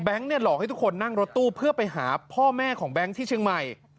หลอกให้ทุกคนนั่งรถตู้เพื่อไปหาพ่อแม่ของแบงค์ที่เชียงใหม่